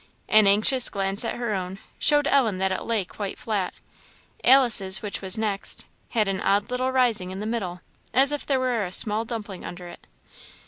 An anxious glance at her own, showed Ellen that it lay quite flat; Alice's, which was next, had an odd little rising in the middle, as if there were a small dumpling under it.